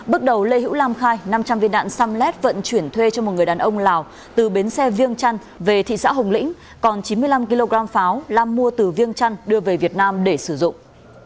bước đầu lê hữu lam khai năm trăm linh viên đạn samlet vận chuyển thuê cho một người đàn ông lào từ bến xe viêng trăn về thị xã hồng lĩnh còn chín mươi năm kg pháo lam mua từ viêng trăn đưa về việt nam để sử dụng